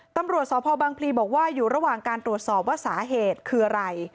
ตำรวจสพบังพลีบอกว่าอยู่ระหว่างการตรวจสอบว่าสาเหตุคืออะไร